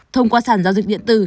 thông qua sàn giao dịch điện tử